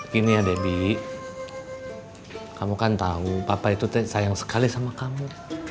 gini ya debbie kamu kan tahu papa itu sayang sekali sama kamu